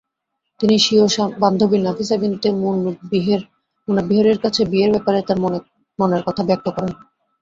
তিনি স্বীয় বান্ধবী নাফিসা বিনতে মুনব্বিহরের কাছে বিয়ের ব্যাপারে তার মনের কথা ব্যক্ত করেন।